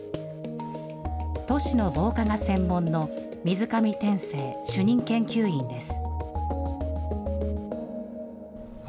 都市の防火が専門の水上点睛主任研究員です。